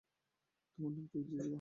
তোমার নাম কি যীভা?